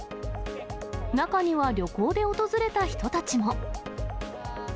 中には旅行で訪れた人たちも。